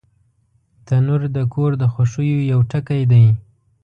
تنور د کور د خوښیو یو ټکی دی